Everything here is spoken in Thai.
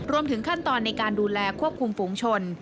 รวมถึงขั้นตอนในการดูแลควบคุมฝูงชน